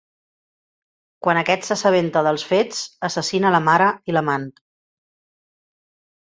Quan aquest s'assabenta dels fets, assassina la mare i l'amant.